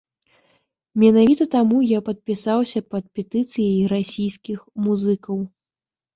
Менавіта таму я падпісаўся пад петыцыяй расійскіх музыкаў.